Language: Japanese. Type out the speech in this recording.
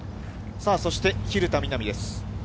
さあそして、蛭田みな美です。